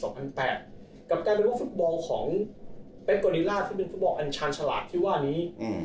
กลับกลายเป็นว่าฟุตบอลของเป๊บกอริลล่าซึ่งเป็นฟุตบอลอัญชาญฉลาดที่ว่านี้